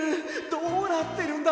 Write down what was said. どうなってるんだ！？